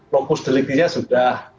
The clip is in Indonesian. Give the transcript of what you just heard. lokus deliknya sudah